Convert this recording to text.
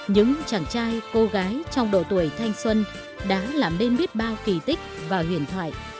những chàng trai cô gái trong độ tuổi thanh xuân đã làm nên biết bao kỳ tích và huyền thoại